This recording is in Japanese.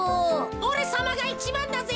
おれさまがいちばんだぜ。